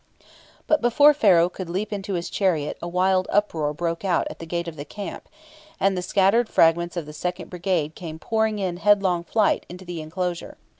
But before Pharaoh could leap into his chariot a wild uproar broke out at the gate of the camp, and the scattered fragments of the second brigade came pouring in headlong flight into the enclosure.